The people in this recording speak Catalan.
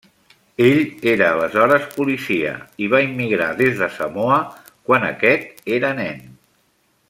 Ell era aleshores policia i va immigrar des de Samoa quan aquest era nen.